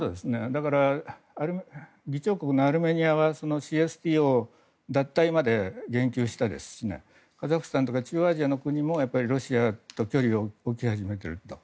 だから議長国のアルメニアはＣＳＴＯ脱退まで言及してカザフスタンとか中央アジアの国もロシアと距離を置き始めていると。